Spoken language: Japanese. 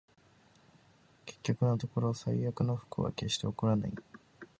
結局のところ、最悪の不幸は決して起こらない